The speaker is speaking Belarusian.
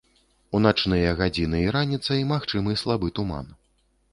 У начныя гадзіны і раніцай магчымы слабы туман.